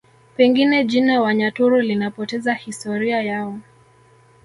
Pengine jina Wanyaturu linapoteza historia yao